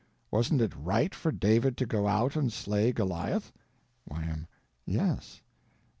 Wasn't it right for David to go out and slay Goliath? Y.M. Yes.